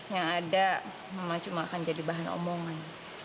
yang ada memang cuma akan jadi bahan omongan